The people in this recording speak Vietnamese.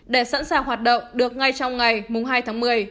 để sẵn sàng hoạt động được ngay trong ngày hai tháng một mươi